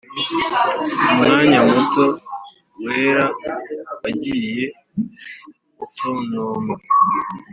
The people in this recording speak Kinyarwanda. mumwanya muto wera wagiye gutontoma.